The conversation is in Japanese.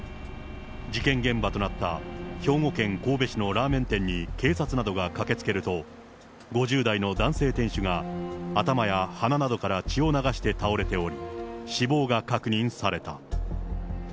事件現場となった兵庫県神戸市のラーメン店に警察などが駆けつけると、５０代の男性店主が頭や鼻などから血を流して倒れており、死亡が確認された。